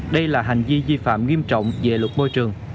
đây là hành vi vi phạm nghiêm trọng về luật môi trường